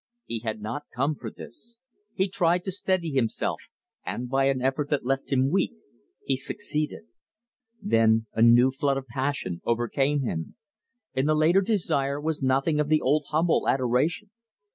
He had not come for this. He tried to steady himself, and by an effort that left him weak he succeeded. Then a new flood of passion overcame him. In the later desire was nothing of the old humble adoration.